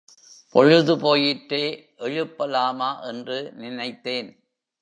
பொழுது போயிற்றே, எழுப்பலாமா என்று நினைத்தேன்.